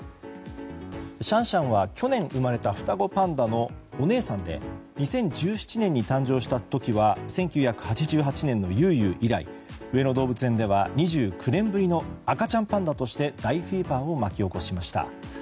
シャンシャンは去年生まれた双子パンダのお姉さんで２０１７年に誕生した時は１９８８年のユウユウ以来上野動物園では２９年ぶりの赤ちゃんパンダとして大フィーバーを巻き起こしました。